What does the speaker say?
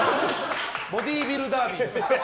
ボディービルダービーです。